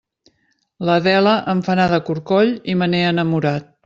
L'Adela em fa anar de corcoll i me n'he enamorat.